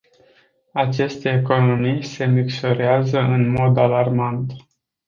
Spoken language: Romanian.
Aceste economii se micșorează în mod alarmant.